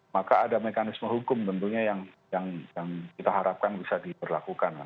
maka ada mekanisme hukum tentunya yang kita harapkan bisa diberlakukan